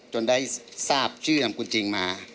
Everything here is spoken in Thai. จนได้ทราบชื่อนามคุณจริงมา